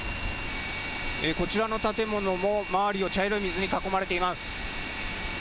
こちらの建物も周りを茶色い水に囲まれています。